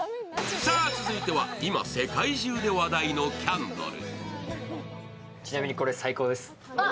続いては今、世界中で話題のキャンドル。